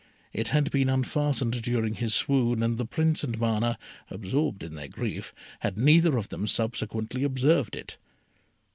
It had been unfastened during his swoon, and the Prince and Mana, absorbed in their grief, had neither of them subsequently observed it.